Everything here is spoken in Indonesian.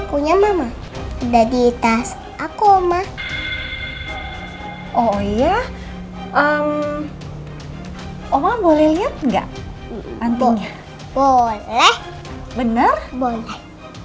punya mama ada di tas aku ma oh iya om om boleh lihat enggak nanti boleh bener boleh